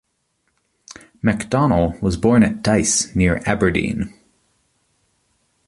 Macdonell was born at Dyce near Aberdeen.